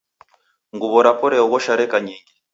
Nguwo rapo re oghosha reka nyingi.